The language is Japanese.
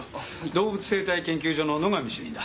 動物生態研究所の野上主任だ。